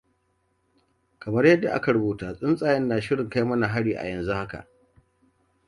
Kamar yadda aka rubuta tsuntsayen na shirin kai mana hari a yanzu haka!